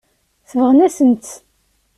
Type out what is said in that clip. Sebɣen-asent-tt.